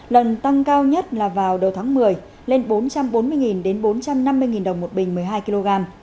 lần tăng cao nhất là vào đầu tháng một mươi lên bốn trăm bốn mươi bốn trăm năm mươi đồng một bình một mươi hai kg